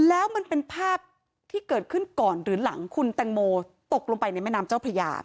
แล้วมันเป็นภาพที่เกิดขึ้นก่อนหรือหลังคุณแตงโมตกลงไปในแม่น้ำเจ้าพระยา